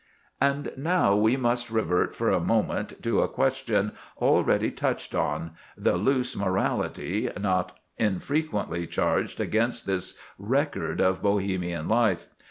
And now we must revert for a moment to a question already touched on—the loose morality not infrequently charged against this record of Bohemian life.